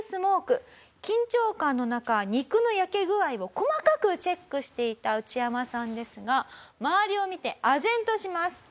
緊張感の中肉の焼け具合を細かくチェックしていたウチヤマさんですが周りを見てあぜんとします。